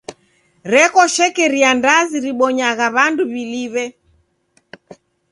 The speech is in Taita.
Reko shekeria ndazi ribonyagha w'andu w'iliw'e.